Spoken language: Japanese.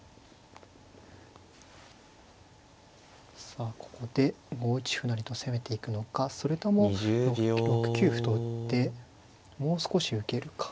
さあここで５一歩成と攻めていくのかそれとも６九歩と打ってもう少し受けるか。